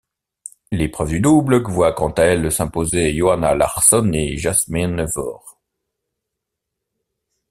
L'épreuve de double voit quant à elle s'imposer Johanna Larsson et Jasmin Wöhr.